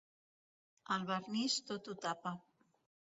El vernís tot ho tapa.